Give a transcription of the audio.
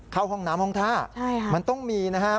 เข้าห้องน้ำห้องท่ามันต้องมีนะครับ